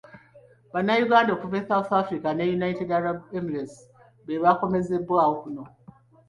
Bannayuganda okuva e South Africa ne United Arab Emirates bebaakomezeddwawo kuno.